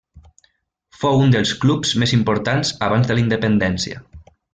Fou un dels clubs més importants abans de la independència.